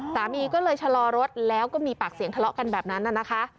สามีก็เลยชะลอรถแล้วก็มีปากเสียงทะเลาะกันแบบนั้นน่ะนะคะ